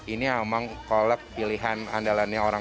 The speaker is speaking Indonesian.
ini memang kolak pilihan andalannya orang